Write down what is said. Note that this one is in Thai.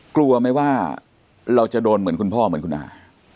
กลัวไหมว่าเราจะโดนเหมือนคุณพ่อเหมือนคุณอา